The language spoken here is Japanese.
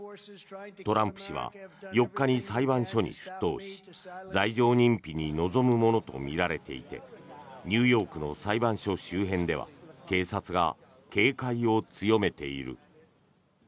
トランプ氏は４日に裁判所に出頭し罪状認否に臨むものとみられていてニューヨークの裁判所周辺では警察が警戒を強めている。